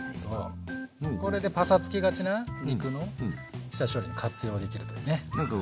これでパサつきがちな肉の下処理に活用できるというね。